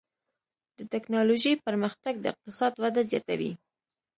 د ټکنالوجۍ پرمختګ د اقتصاد وده زیاتوي.